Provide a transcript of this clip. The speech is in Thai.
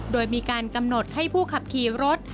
โดยมีการกำหนดให้ผู้ขับขี่รถ